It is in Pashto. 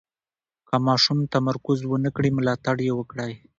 که ماشوم تمرکز ونه کړي، ملاتړ یې وکړئ.